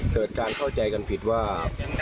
เกิดการเข้าใจกันผิดว่า